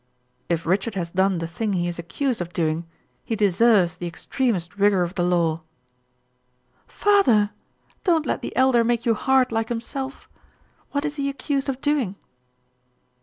"If Richard has done the thing he is accused of doing, he deserves the extremest rigor of the law." "Father! Don't let the Elder make you hard like himself. What is he accused of doing?"